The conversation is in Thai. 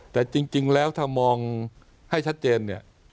แต่จริงแล้วถ้ามองให้ชัดเจนเนี่ย